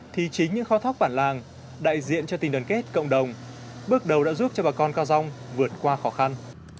thì chính những kho thóc bản làng đại diện cho tình đoàn kết cộng đồng bước đầu đã giúp cho bà con ca dông vượt qua khó khăn